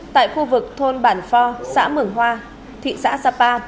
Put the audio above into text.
thôn bản phò xã mường hoa thị xã sapa